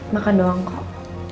makan doang kok